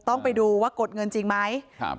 ต้องไปดูว่ากดเงินจริงไหมครับ